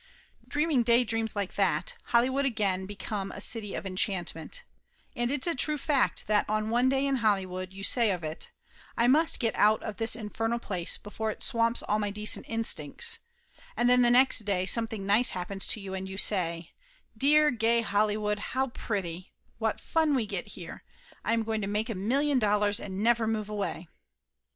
Dreaming daydreams like that, Hollywood again be come a city of enchantment, and it's a true fact that on one day in Hollywood you say of it, "I must get out of this infernal place before it swamps all my decent instincts," and then the next day something nice happens to you and you say "Dear, gay Holly wood, how pretty, what fun we get here, I am going to make a million dollars and never move away!"